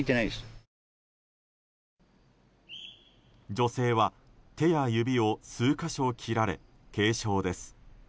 女性は手や指を数か所切られ軽傷です。